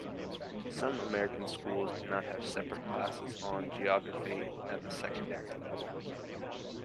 Some American schools do not have separate classes on geography at the secondary level.